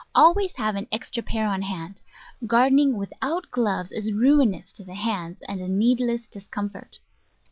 Always have an extra pair on hand. Gardening without gloves is ruinous to the hands and a needless discomfort.